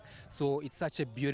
jadi ini sangat indah